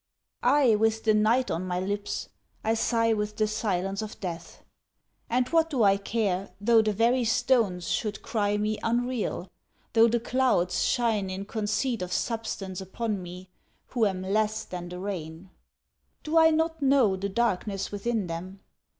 I with the night on my lips, I sigh with the silence of death; And what do I care though the very stones should cry me unreal, though the clouds Shine in conceit of substance upon me, who am less than the rain. Do I not know the darkness within them?